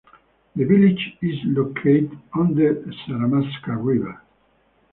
The village is located on the Saramacca River.